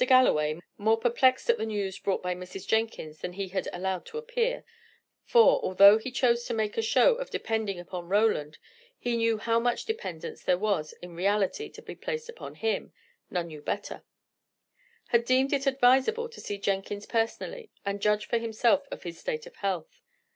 Galloway, more perplexed at the news brought by Mrs. Jenkins than he had allowed to appear (for, although he chose to make a show of depending upon Roland, he knew how much dependence there was in reality to be placed upon him none knew better), had deemed it advisable to see Jenkins personally, and judge for himself of his state of health.